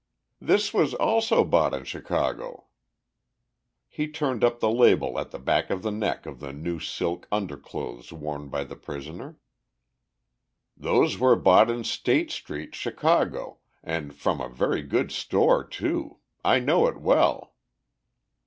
"This was also bought in Chicago." He turned up the label at the back of the neck of the new silk underclothes worn by the prisoner. "Those were bought in State street, Chicago, and from a very good store, too—I know it well."